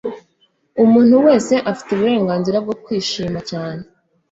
umuntu wese afite uburenganzira bwo kwishima cyane